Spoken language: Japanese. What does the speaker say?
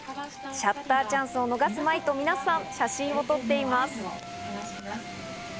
シャッターチャンスを逃すまいと、皆さん写真を撮っています。